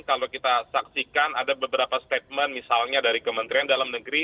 kalau kita saksikan ada beberapa statement misalnya dari kementerian dalam negeri